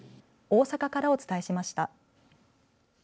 大阪からお伝えしました。